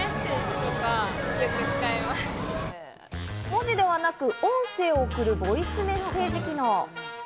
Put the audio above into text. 文字ではなく、音声を送るボイスメッセージ機能。